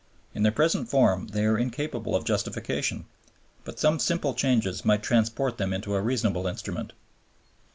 In their present form they are incapable of justification; but some simple changes might transform them into a reasonable instrument.